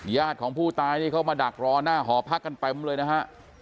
ญาติของผู้ตายนี่เขามาดักรอหน้าหอพักกันเต็มเลยนะฮะ